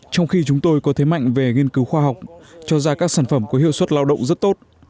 trong khi chúng tôi có thế mạnh về nghiên cứu khoa học cho ra các sản phẩm có hiệu suất lao động rất tốt